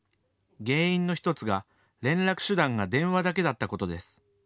原因の１つが、連絡手段が電話だけだったことです。